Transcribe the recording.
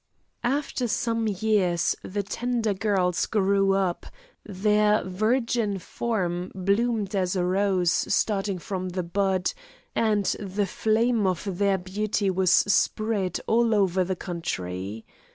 After some years, the tender girls grew up, their virgin form bloomed as a rose starting from the bud, and the fame of their beauty was spread all over the country.